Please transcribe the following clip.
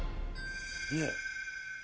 ねえ。